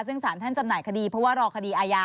ซึ่งสารท่านจำหน่ายคดีเพราะว่ารอคดีอาญา